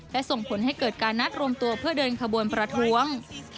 และส่งผลให้เกิดการนัดรวมตัวเพื่อเดินขบวนประท้วง